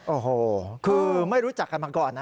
โอ้โหคือไม่รู้จักกันมาก่อนนะ